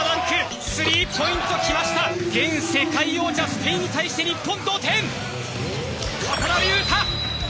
現世界王者スペインに対して日本同点！